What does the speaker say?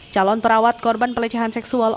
calon perawat korban pelecehan seksual